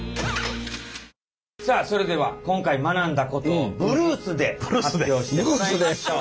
さあそれでは今回学んだことをブルースで発表してもらいましょう。